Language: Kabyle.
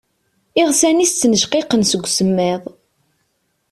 Iɣsan-is ttnejqiqen seg usemmiḍ.